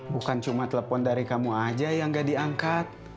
bukan cuma telepon dari kamu aja yang gak diangkat